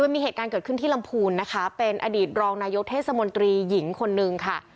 มีเหตุการณ์เกิดขึ้นที่ลำพูนนะคะเป็นอดีตรองนายกเทศมนตรีหญิงคนนึงค่ะ